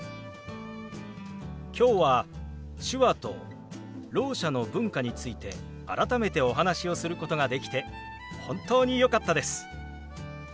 今日は手話とろう者の文化について改めてお話をすることができて本当によかったです。